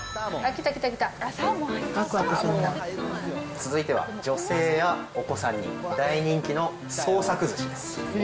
続いては女性やお子さんに大人気の創作ずしです。